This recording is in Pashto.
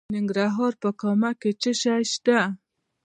د ننګرهار په کامه کې څه شی شته؟